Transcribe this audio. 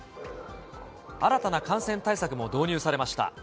新たな感染対策も導入されました。